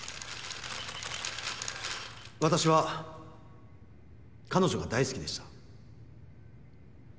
私は彼女が大好きでした。